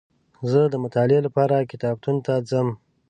زه دمطالعې لپاره کتابتون ته ځم